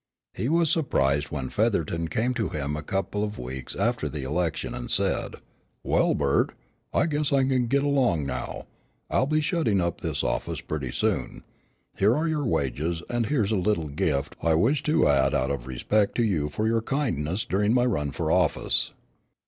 He was surprised when Featherton came to him a couple of weeks after the election and said, "Well, Bert, I guess I can get along now. I'll be shutting up this office pretty soon. Here are your wages and here is a little gift I wish to add out of respect to you for your kindness during my run for office."